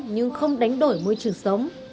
nhưng không đánh đổi môi trường sống